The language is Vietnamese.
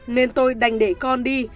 nên tôi đành để con đi